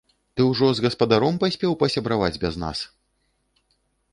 Ты ўжо з гаспадаром паспеў пасябраваць без нас?